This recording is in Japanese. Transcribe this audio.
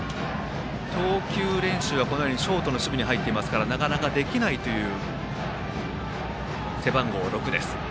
投球練習はショートの守備に入っていますからなかなかできないという背番号６です。